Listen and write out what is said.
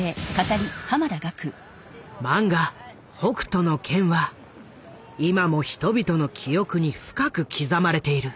漫画「北斗の拳」は今も人々の記憶に深く刻まれている。